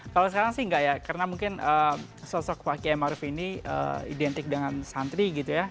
kalau sekarang sih enggak ya karena mungkin sosok pak kiai maruf ini identik dengan santri gitu ya